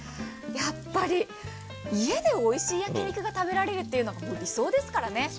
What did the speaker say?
やっぱり家でおいしい焼き肉が食べられるっていうのは理想ですからね。